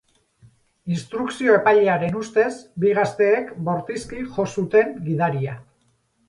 Instrukzio epailearen ustez, bi gazteek bortizki jo zuten gidaria.